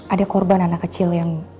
ada korban anak kecil yang